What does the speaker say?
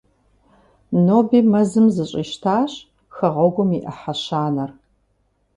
Ноби мэзым зэщӀищтащ хэгъэгум и ӏыхьэ щанэр.